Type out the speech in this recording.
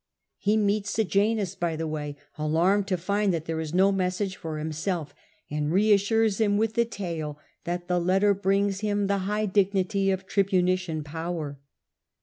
He meets Sejanus by the way, alarmed to find that there is no mes sage for himself, and reassures him with the tale that the letter brings him the high dignity of tribunician power.